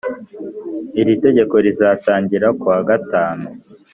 iri tegeko rizatangira kuwa gatanu.